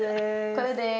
こよです。